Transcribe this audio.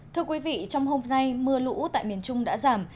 thưa quý vị trong hôm nay mưa lũ tại miền trung đã giảm